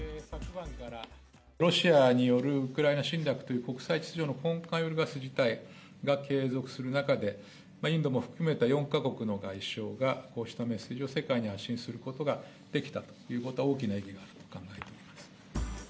ロシアによるウクライナ侵略という国際秩序の根幹を揺るがす事態が継続する中で、インドも含めた４か国の外相がこうしたメッセージを世界に発信することができたということは大きな意義があると考えておりま